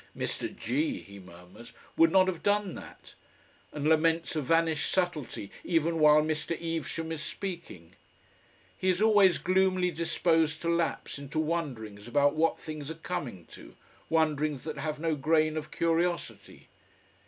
"Mr. G.," he murmurs, "would not have done that," and laments a vanished subtlety even while Mr. Evesham is speaking. He is always gloomily disposed to lapse into wonderings about what things are coming to, wonderings that have no grain of curiosity.